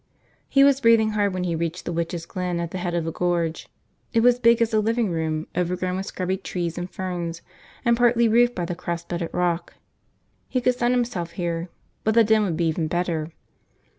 He was breathing hard when he reached the Witches' Glen at the head of the Gorge. It was big as a living room, overgrown with scrubby trees and ferns, and partly roofed by the cross bedded rock. He could sun himself here, but the den would be even better.